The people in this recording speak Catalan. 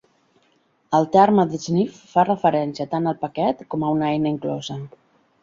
El terme "dsniff" fa referència tant al paquet com a una eina inclosa.